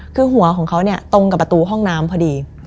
คือหัวของเขาเนี่ยตรงกับประตูห้องน้ำพอดี